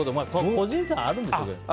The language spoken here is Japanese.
個人差あるんでしょうけど。